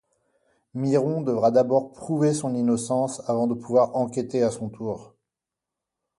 Myron devra d'abord prouver son innocence avant de pouvoir enquêter à son tour.